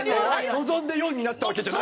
望んで４になったわけじゃない！